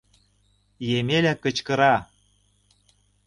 Емеля кычкыра...